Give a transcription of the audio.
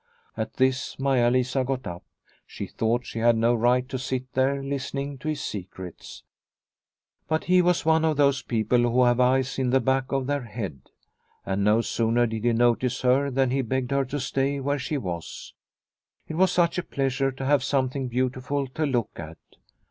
At this, Maia Lisa got up. She thought she had no right to sit there listening to his secrets. But he was one of those people who have eyes in the back of their head. And no sooner The Pastor from Finland 149 did he notice her than he begged her to stay where she was. It was such a pleasure to have something beautiful to look at.